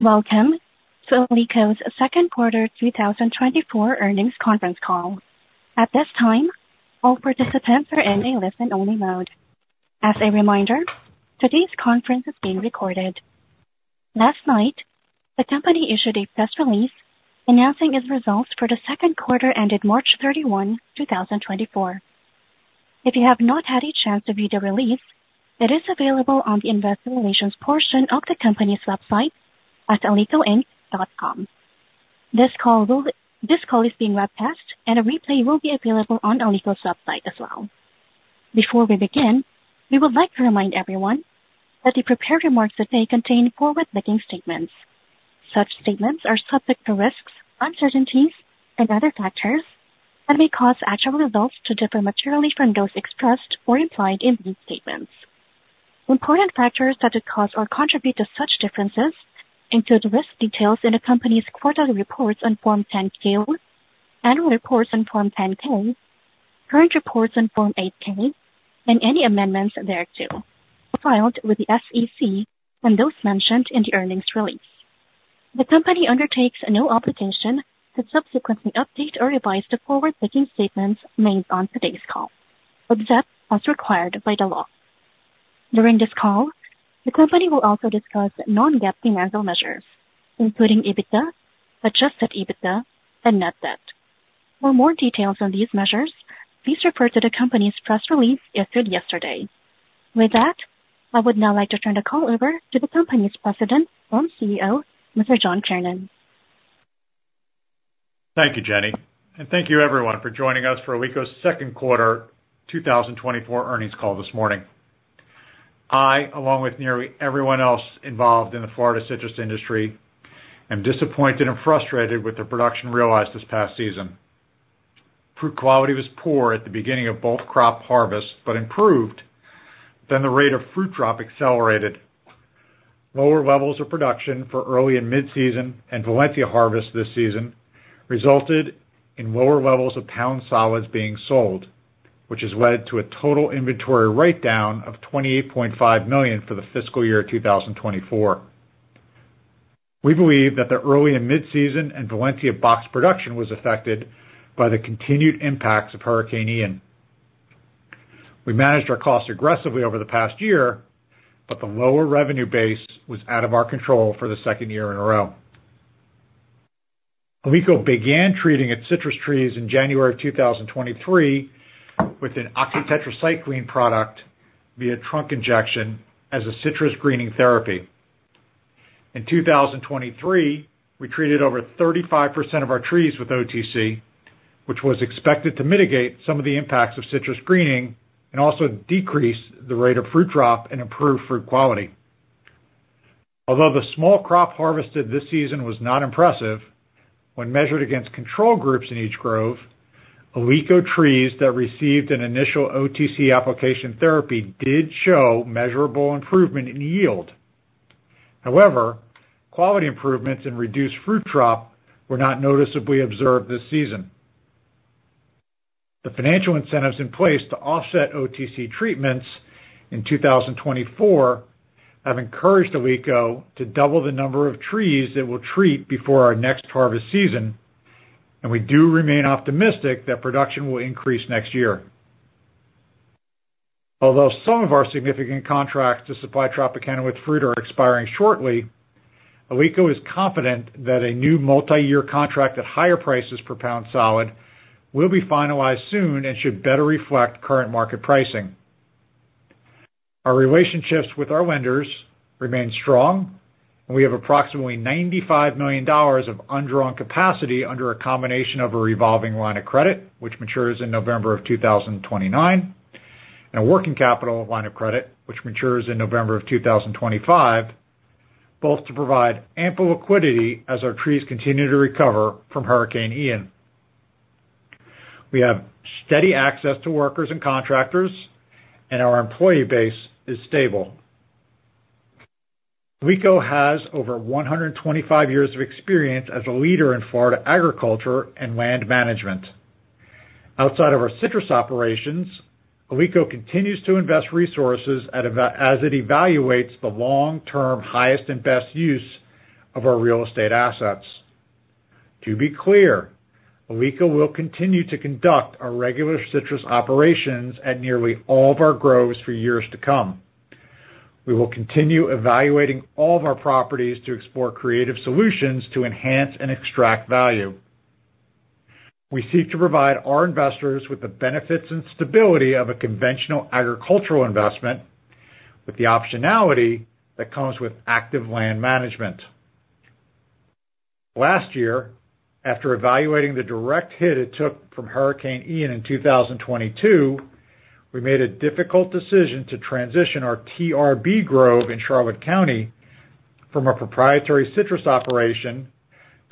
Welcome to Alico's second quarter 2024 earnings conference call. At this time, all participants are in a listen-only mode. As a reminder, today's conference is being recorded. Last night, the company issued a press release announcing its results for the second quarter ended March 31, 2024. If you have not had a chance to view the release, it is available on the investor relations portion of the company's website at alicoinc.com. This call is being webcast, and a replay will be available on Alico's website as well. Before we begin, we would like to remind everyone that the prepared remarks today contain forward-looking statements. Such statements are subject to risks, uncertainties, and other factors that may cause actual results to differ materially from those expressed or implied in these statements. Important factors that could cause or contribute to such differences include risk details in the company's quarterly reports on Form 10-K, annual reports on Form 10-K, current reports on Form 8-K, and any amendments thereto filed with the SEC and those mentioned in the earnings release. The company undertakes no obligation to subsequently update or revise the forward-looking statements made on today's call, except as required by the law. During this call, the company will also discuss non-GAAP financial measures, including EBITDA, Adjusted EBITDA, and net debt. For more details on these measures, please refer to the company's press release issued yesterday. With that, I would now like to turn the call over to the company's President and CEO, Mr. John Kiernan. Thank you, Jenny. Thank you, everyone, for joining us for Alico's second quarter 2024 earnings call this morning. I, along with nearly everyone else involved in the Florida citrus industry, am disappointed and frustrated with the production realized this past season. Fruit quality was poor at the beginning of both crop harvests but improved. Then the rate of fruit drop accelerated. Lower levels of production for early and mid-season and Valencia harvest this season resulted in lower levels of pound solids being sold, which has led to a total inventory write-down of $28.5 million for the fiscal year 2024. We believe that the early and mid-season and Valencia box production was affected by the continued impacts of Hurricane Ian. We managed our costs aggressively over the past year, but the lower revenue base was out of our control for the second year in a row. Alico began treating its citrus trees in January 2023 with an Oxytetracycline product via trunk injection as a citrus greening therapy. In 2023, we treated over 35% of our trees with OTC, which was expected to mitigate some of the impacts of citrus greening and also decrease the rate of fruit drop and improve fruit quality. Although the small crop harvested this season was not impressive, when measured against control groups in each grove, Alico trees that received an initial OTC application therapy did show measurable improvement in yield. However, quality improvements in reduced fruit drop were not noticeably observed this season. The financial incentives in place to offset OTC treatments in 2024 have encouraged Alico to double the number of trees it will treat before our next harvest season, and we do remain optimistic that production will increase next year. Although some of our significant contracts to supply Tropicana with fruit are expiring shortly, Alico is confident that a new multi-year contract at higher prices per pound solid will be finalized soon and should better reflect current market pricing. Our relationships with our lenders remain strong, and we have approximately $95 million of undrawn capacity under a combination of a revolving line of credit, which matures in November of 2029, and a working capital line of credit, which matures in November of 2025, both to provide ample liquidity as our trees continue to recover from Hurricane Ian. We have steady access to workers and contractors, and our employee base is stable. Alico has over 125 years of experience as a leader in Florida agriculture and land management. Outside of our citrus operations, Alico continues to invest resources as it evaluates the long-term highest and best use of our real estate assets. To be clear, Alico will continue to conduct our regular citrus operations at nearly all of our groves for years to come. We will continue evaluating all of our properties to explore creative solutions to enhance and extract value. We seek to provide our investors with the benefits and stability of a conventional agricultural investment with the optionality that comes with active land management. Last year, after evaluating the direct hit it took from Hurricane Ian in 2022, we made a difficult decision to transition our TRB Grove in Charlotte County from a proprietary citrus operation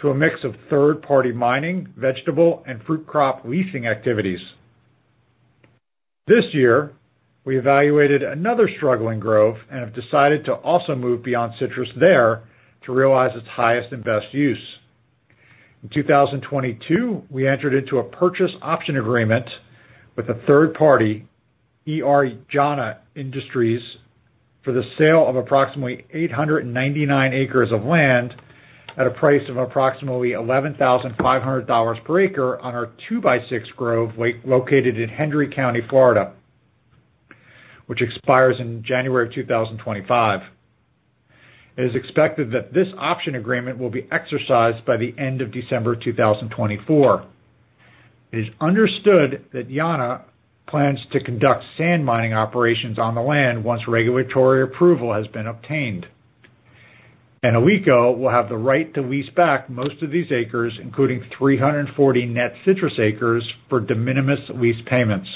to a mix of third-party mining, vegetable, and fruit crop leasing activities. This year, we evaluated another struggling grove and have decided to also move beyond citrus there to realize its highest and best use. In 2022, we entered into a purchase option agreement with a third party, Jena Industries, for the sale of approximately 899 acres of land at a price of approximately $11,500 per acre on our 2x6 Grove located in Hendry County, Florida, which expires in January of 2025. It is expected that this option agreement will be exercised by the end of December 2024. It is understood that Jana plans to conduct sand mining operations on the land once regulatory approval has been obtained. Alico will have the right to lease back most of these acres, including 340 net citrus acres, for de minimis lease payments.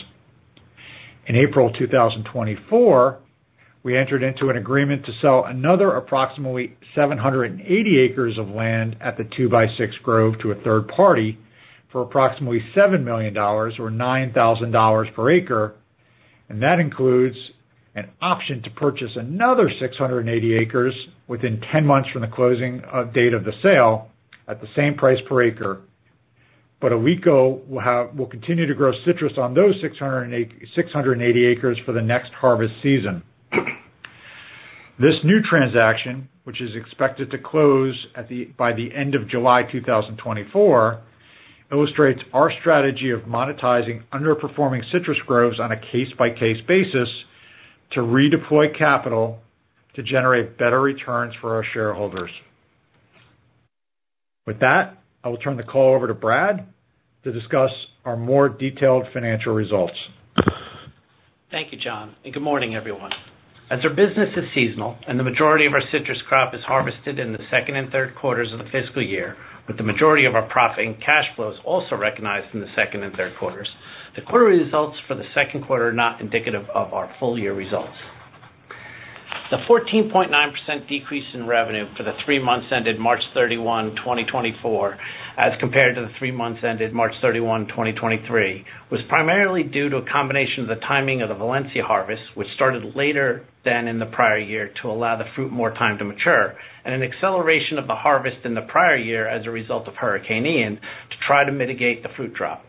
In April 2024, we entered into an agreement to sell another approximately 780 acres of land at the 2x6 Grove to a third party for approximately $7 million or $9,000 per acre, and that includes an option to purchase another 680 acres within 10 months from the closing date of the sale at the same price per acre. But Alico will continue to grow citrus on those 680 acres for the next harvest season. This new transaction, which is expected to close by the end of July 2024, illustrates our strategy of monetizing underperforming citrus groves on a case-by-case basis to redeploy capital to generate better returns for our shareholders. With that, I will turn the call over to Brad to discuss our more detailed financial results. Thank you, John. Good morning, everyone. As our business is seasonal and the majority of our citrus crop is harvested in the second and third quarters of the fiscal year, with the majority of our profit and cash flows also recognized in the second and third quarters, the quarterly results for the second quarter are not indicative of our full-year results. The 14.9% decrease in revenue for the three months ended March 31, 2024, as compared to the three months ended March 31, 2023, was primarily due to a combination of the timing of the Valencia harvest, which started later than in the prior year to allow the fruit more time to mature, and an acceleration of the harvest in the prior year as a result of Hurricane Ian to try to mitigate the fruit drop,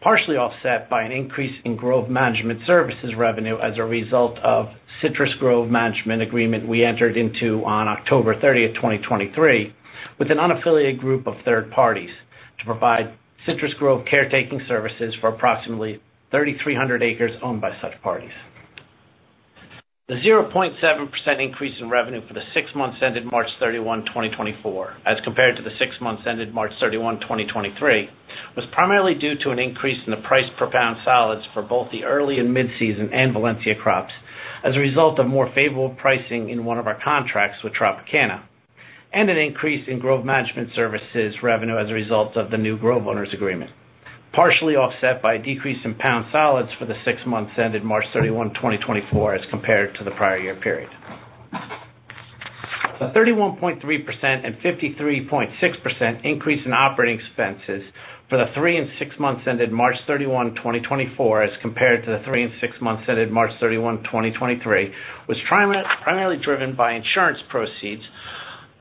partially offset by an increase in grove management services revenue as a result of citrus grove management agreement we entered into on October 30, 2023, with an unaffiliated group of third parties to provide citrus grove caretaking services for approximately 3,300 acres owned by such parties. The 0.7% increase in revenue for the six months ended March 31, 2024, as compared to the six months ended March 31, 2023, was primarily due to an increase in the price per pound solids for both the early and mid-season and Valencia crops as a result of more favorable pricing in one of our contracts with Tropicana and an increase in grove management services revenue as a result of the new grove owners' agreement, partially offset by a decrease in pound solids for the six months ended March 31, 2024, as compared to the prior year period. The 31.3% and 53.6% increase in operating expenses for the three and six months ended March 31, 2024, as compared to the three and six months ended March 31, 2023, was primarily driven by insurance proceeds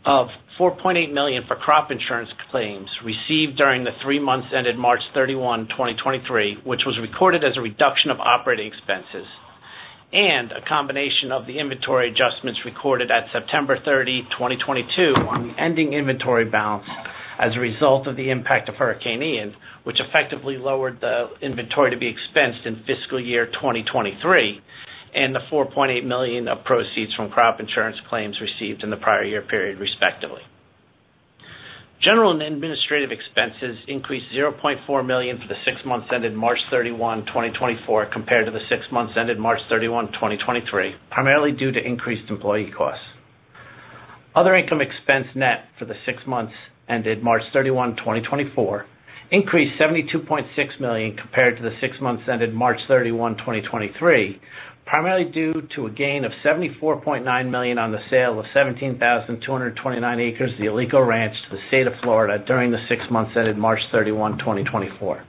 of $4.8 million for crop insurance claims received during the three months ended March 31, 2023, which was recorded as a reduction of operating expenses, and a combination of the inventory adjustments recorded at September 30, 2022, on the ending inventory balance as a result of the impact of Hurricane Ian, which effectively lowered the inventory to be expensed in fiscal year 2023 and the $4.8 million of proceeds from crop insurance claims received in the prior year period, respectively. General and administrative expenses increased $0.4 million for the six months ended March 31, 2024, compared to the six months ended March 31, 2023, primarily due to increased employee costs. Other income expense net for the six months ended March 31, 2024, increased $72.6 million compared to the six months ended March 31, 2023, primarily due to a gain of $74.9 million on the sale of 17,229 acres of the Alico Ranch to the state of Florida during the six months ended March 31, 2024.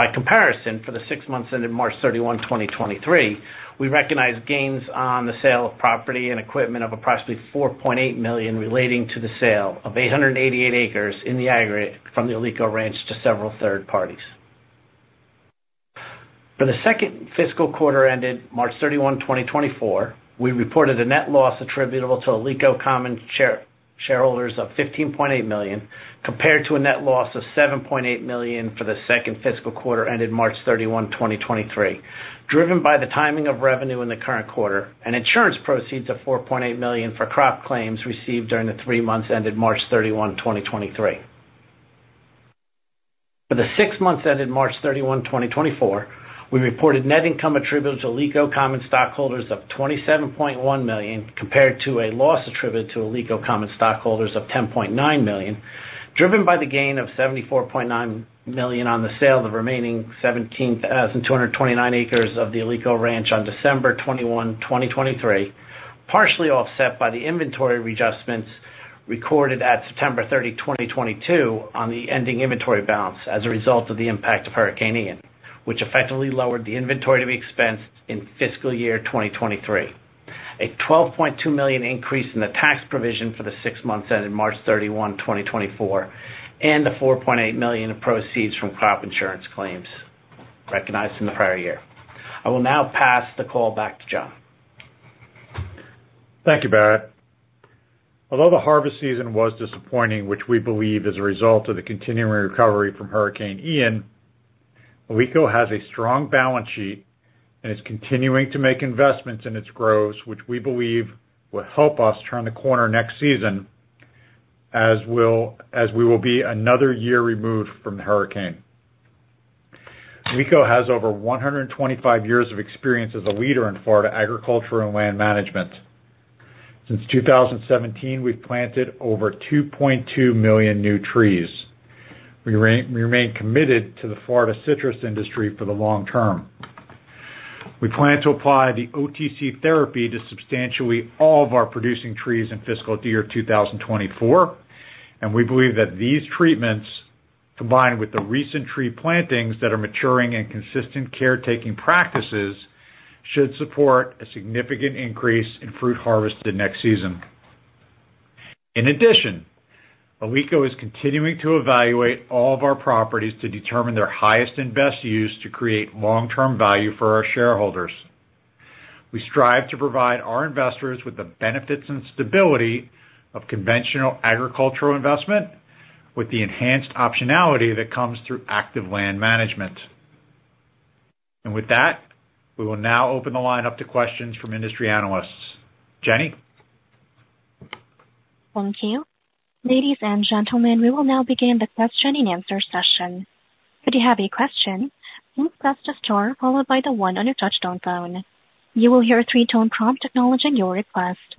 By comparison, for the six months ended March 31, 2023, we recognize gains on the sale of property and equipment of approximately $4.8 million relating to the sale of 888 acres from the Alico Ranch to several third parties. For the second fiscal quarter ended March 31, 2024, we reported a net loss attributable to Alico common shareholders of $15.8 million compared to a net loss of $7.8 million for the second fiscal quarter ended March 31, 2023, driven by the timing of revenue in the current quarter and insurance proceeds of $4.8 million for crop claims received during the three months ended March 31, 2023. For the six months ended March 31, 2024, we reported net income attributed to Alico common stockholders of $27.1 million compared to a loss attributed to Alico common stockholders of $10.9 million, driven by the gain of $74.9 million on the sale of the remaining 17,229 acres of the Alico Ranch on December 21, 2023, partially offset by the inventory readjustments recorded at September 30, 2022, on the ending inventory balance as a result of the impact of Hurricane Ian, which effectively lowered the inventory to be expensed in fiscal year 2023, a $12.2 million increase in the tax provision for the six months ended March 31, 2024, and the $4.8 million of proceeds from crop insurance claims recognized in the prior year. I will now pass the call back to John. Thank you, Brad. Although the harvest season was disappointing, which we believe is a result of the continuing recovery from Hurricane Ian, Alico has a strong balance sheet and is continuing to make investments in its groves, which we believe will help us turn the corner next season as we will be another year removed from the hurricane. Alico has over 125 years of experience as a leader in Florida agriculture and land management. Since 2017, we've planted over 2.2 million new trees. We remain committed to the Florida citrus industry for the long term. We plan to apply the OTC therapy to substantially all of our producing trees in fiscal year 2024, and we believe that these treatments, combined with the recent tree plantings that are maturing and consistent caretaking practices, should support a significant increase in fruit harvested next season. In addition, Alico is continuing to evaluate all of our properties to determine their highest and best use to create long-term value for our shareholders. We strive to provide our investors with the benefits and stability of conventional agricultural investment with the enhanced optionality that comes through active land management. With that, we will now open the line up to questions from industry analysts. Jenny? Thank you. Ladies and gentlemen, we will now begin the question and answer session. If you have a question, please press the star followed by the one on your touch-tone phone. You will hear a three-tone prompt acknowledging your request.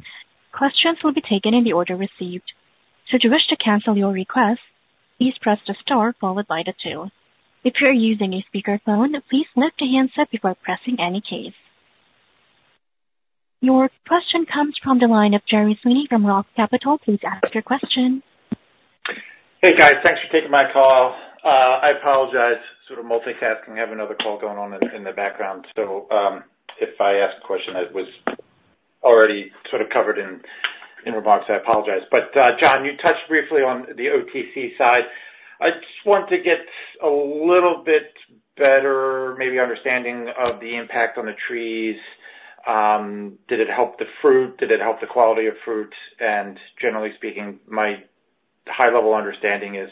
Questions will be taken in the order received. Should you wish to cancel your request, please press the star followed by the two. If you are using a speakerphone, please lift your handset before pressing any keys. Your question comes from the line of Jerry Sweeney from Roth Capital. Please ask your question. Hey, guys. Thanks for taking my call. I apologize, sort of multitasking. I have another call going on in the background. So if I asked a question that was already sort of covered in remarks, I apologize. But John, you touched briefly on the OTC side. I just want to get a little bit better, maybe understanding of the impact on the trees. Did it help the fruit? Did it help the quality of fruit? And generally speaking, my high-level understanding is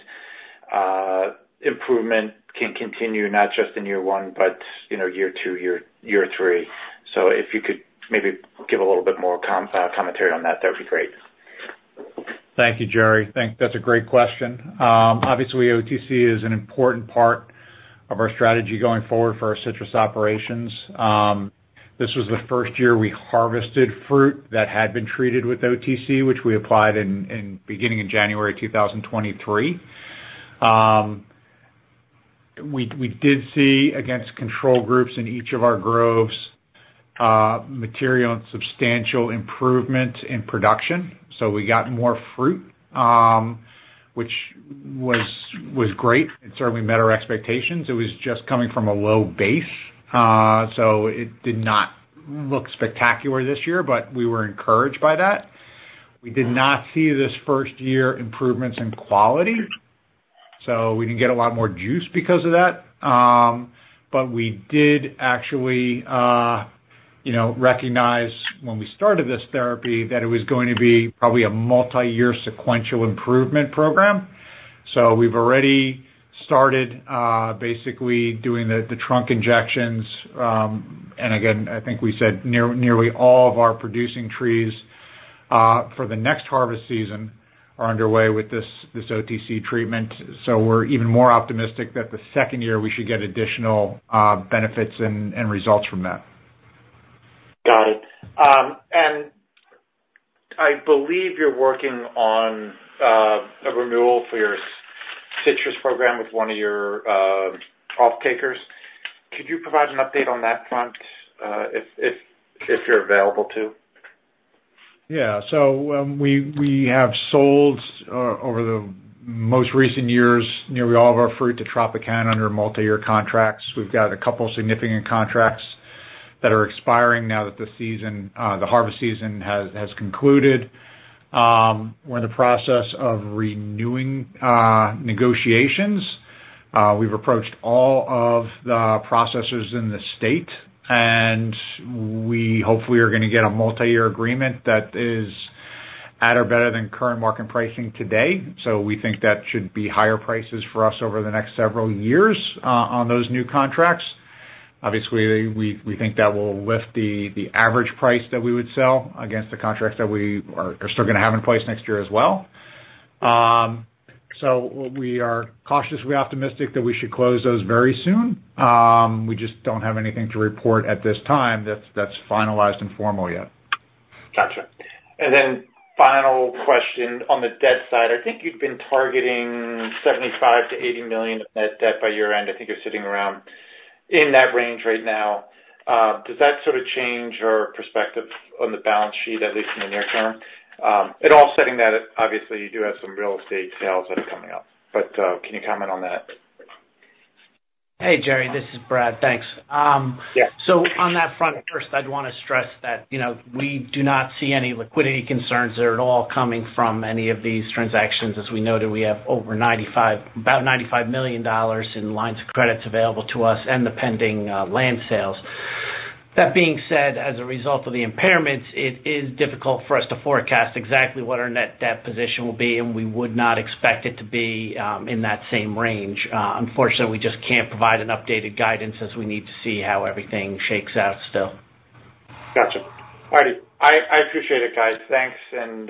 improvement can continue not just in year one but year two, year three. So if you could maybe give a little bit more commentary on that, that would be great. Thank you, Jerry. That's a great question. Obviously, OTC is an important part of our strategy going forward for our citrus operations. This was the first year we harvested fruit that had been treated with OTC, which we applied in beginning of January 2023. We did see, against control groups in each of our groves, material and substantial improvement in production. So we got more fruit, which was great. It certainly met our expectations. It was just coming from a low base. So it did not look spectacular this year, but we were encouraged by that. We did not see this first year improvements in quality. So we didn't get a lot more juice because of that. But we did actually recognize when we started this therapy that it was going to be probably a multi-year sequential improvement program. So we've already started basically doing the trunk injections. Again, I think we said nearly all of our producing trees for the next harvest season are underway with this OTC treatment. So we're even more optimistic that the second year we should get additional benefits and results from that. Got it. I believe you're working on a renewal for your citrus program with one of your off-takers. Could you provide an update on that front if you're available to? Yeah. So we have sold over the most recent years nearly all of our fruit to Tropicana under multi-year contracts. We've got a couple of significant contracts that are expiring now that the harvest season has concluded. We're in the process of renewing negotiations. We've approached all of the processors in the state, and we hopefully are going to get a multi-year agreement that is at or better than current market pricing today. So we think that should be higher prices for us over the next several years on those new contracts. Obviously, we think that will lift the average price that we would sell against the contracts that we are still going to have in place next year as well. So we are cautious. We're optimistic that we should close those very soon. We just don't have anything to report at this time that's finalized and formal yet. Gotcha. And then final question on the debt side. I think you'd been targeting $75 million-$80 million of Net Debt by year end. I think you're sitting around in that range right now. Does that sort of change your perspective on the balance sheet, at least in the near term? And all setting that, obviously, you do have some real estate sales that are coming up. But can you comment on that? Hey, Jerry. This is Brad. Thanks. So on that front, first, I'd want to stress that we do not see any liquidity concerns. They're all coming from any of these transactions. As we noted, we have about $95 million in lines of credit available to us and the pending land sales. That being said, as a result of the impairments, it is difficult for us to forecast exactly what our net debt position will be, and we would not expect it to be in that same range. Unfortunately, we just can't provide an updated guidance as we need to see how everything shakes out still. Gotcha. All righty. I appreciate it, guys. Thanks. And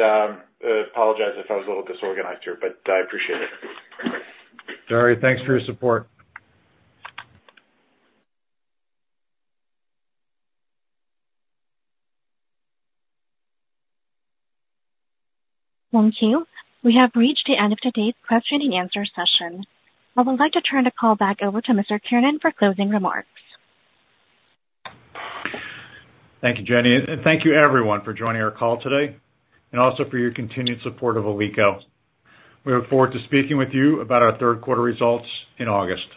apologize if I was a little disorganized here, but I appreciate it. Jerry, thanks for your support. Thank you. We have reached the end of today's question and answer session. I would like to turn the call back over to Mr. Kiernan for closing remarks. Thank you, Jenny. Thank you, everyone, for joining our call today and also for your continued support of Alico. We look forward to speaking with you about our third-quarter results in August.